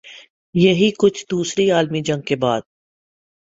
یہی کچھ دوسری عالمی جنگ کے بعد